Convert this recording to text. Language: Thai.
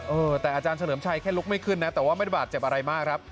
เออแต่อาจารย์เฉลิมชัยแค่ลุกไม่ขึ้นนะแต่ว่าไม่ได้บาดเจ็บอะไรมากครับ